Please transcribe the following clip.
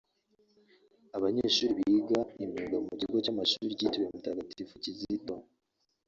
Abanyeshuri biga imyuga mu kigo cy’Amashuli kitiriwe Mutagatifu Kizito